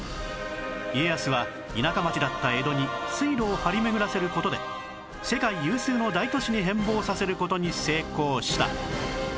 家康は田舎町だった江戸に水路を張り巡らせる事で世界有数の大都市に変貌させる事に成功した